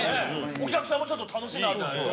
お客さんもちょっと楽しみがある。